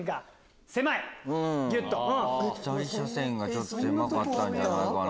左車線がちょっと狭かったんじゃないかな。